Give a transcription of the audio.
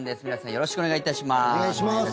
よろしくお願いします。